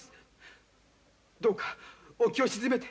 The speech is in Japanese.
どうかお気を静めて。